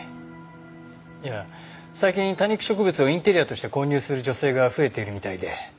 いや最近多肉植物をインテリアとして購入する女性が増えているみたいで。